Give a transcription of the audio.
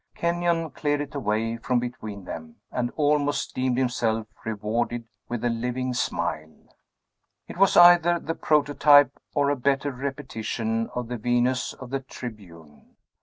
Kenyon cleared it away from between them, and almost deemed himself rewarded with a living smile. It was either the prototype or a better repetition of the Venus of the Tribune.